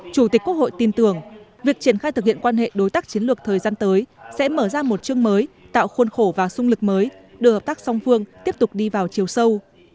chủ tịch quốc hội tin tưởng việc triển khai thực hiện quan hệ đối tác chiến lược thời gian tới sẽ mở ra một chương mới tạo khuôn khổ và sung lực mới đưa hợp tác song phương tiếp tục đi vào chiều sâu